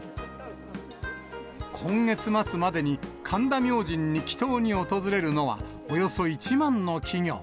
今月末までに、神田明神に祈とうに訪れるのは、およそ１万の企業。